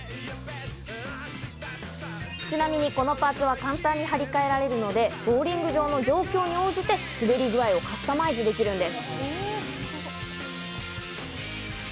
ちなみに、このパーツは簡単に張り替えられるので、ボウリング場の状況に応じて、滑り具合をカスタマイズできるんです。